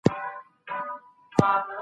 ايا ته ډوډۍ پخوې؟